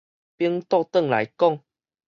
反倒轉來講